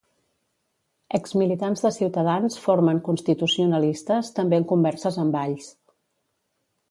Exmilitants de Ciutadans formen Constitucionalistes, també en converses amb Valls.